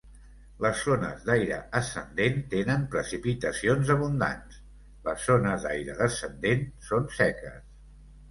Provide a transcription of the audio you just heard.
Les zones d'aire ascendent tenen precipitacions abundants, les zones d'aire descendent són seques.